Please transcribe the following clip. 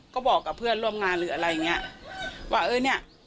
ก็บอกกับเพื่อนร่วมงานหรืออะไรอย่างเงี้ยว่าเออเนี้ย